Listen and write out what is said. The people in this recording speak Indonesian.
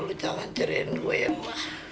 lo jangan ceriain gue ya mbah